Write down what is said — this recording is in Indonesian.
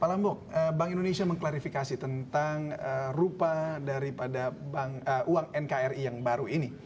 pak lambok bank indonesia mengklarifikasi tentang rupa daripada uang nkri yang baru ini